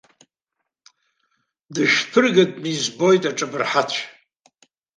Дышәԥыргатәны збоит аҿабырҳацә.